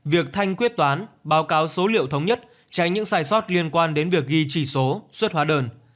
việc thanh quyết toán báo cáo số liệu thống nhất tránh những sai sót liên quan đến việc ghi chỉ số xuất hóa đơn